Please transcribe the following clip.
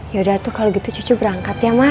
yaudah tuh kalau gitu cucu berangkat ya mak